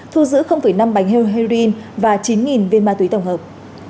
thu giữ năm bánh heroin và chín viên ma túy tổng hợp